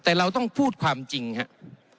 แต่เราต้องพูดความจริงครับ